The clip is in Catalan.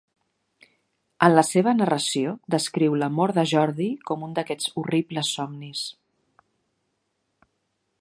En la seva narració descriu la mort de Jordi com un d'aquests horribles somnis.